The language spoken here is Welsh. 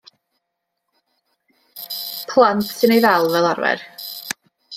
Plant sy'n ei ddal fel arfer.